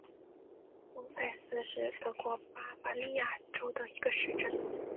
翁塞斯是德国巴伐利亚州的一个市镇。